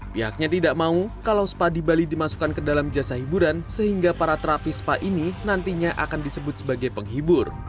pihaknya tidak mau kalau spa di bali dimasukkan ke dalam jasa hiburan sehingga para terapi spa ini nantinya akan disebut sebagai penghibur